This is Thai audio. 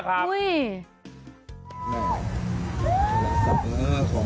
อาจารย์ศักดิ์ก็นิ่ง